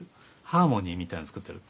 ハーモニーみたいなの作ってる。